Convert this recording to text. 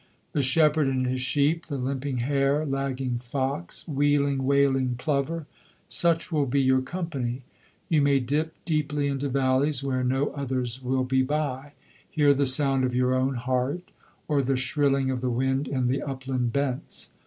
The shepherd and his sheep, the limping hare, lagging fox, wheeling, wailing plover; such will be your company: you may dip deeply into valleys where no others will be by, hear the sound of your own heart, or the shrilling of the wind in the upland bents.